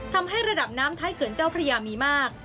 ทำให้ระดับน้ำท้ายเขื่อนเจ้าพระยามีมาก